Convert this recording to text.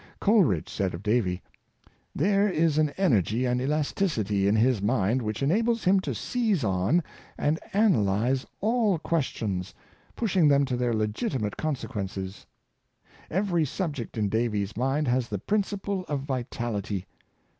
Coleridge said of Davy, " There is an energy and elasticity in his mind which en nbles him to seize on and analyze all questions, pushing them to their legitimate consequences Every subject in Davy's mind has the principle of vitality.